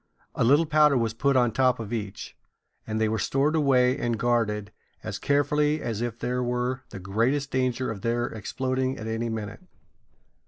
A little powder was put on top of each, and they were stored away and guarded as carefully as if there were the greatest danger of their exploding at any minute.